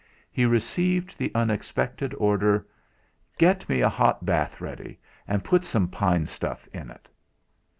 He received the unexpected order: "Get me a hot bath ready, and put some pine stuff in it."